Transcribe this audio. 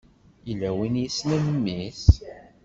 Yella win yessnen mmi-s?